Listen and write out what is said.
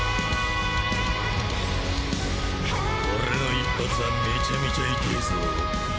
俺の一発はめちゃめちゃいてぇぞ。